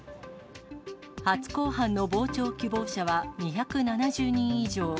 初公判の傍聴希望者は２７０人以上。